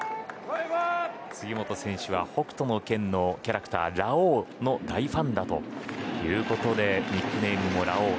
杉本選手は「北斗の拳」のキャラクターラオウの大ファンだということでニックネームのラオウ。